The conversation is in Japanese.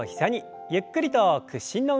ゆっくりと屈伸の運動です。